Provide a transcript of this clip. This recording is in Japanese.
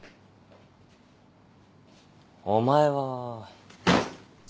お前は。